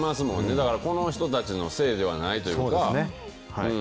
だからこの人たちのせいではないというか。